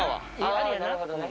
あなるほどね。